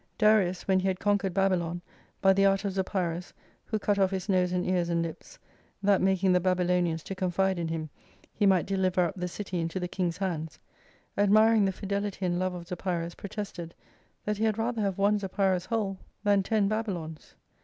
Darius when he had conquered Babylon, by the art of Zopyrus, who cut off his nose and ears and lips, that making the Babylonians to confide in him, he might deliver up theicity into the King's hands ; admiring the fidelity and love of Zopyrus protested, that he had rather have one Zopyrus whole, than ten Babylons.